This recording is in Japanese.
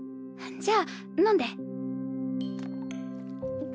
じゃあ飲んで。